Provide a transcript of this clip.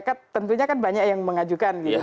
ya tentunya kan banyak yang mengajukan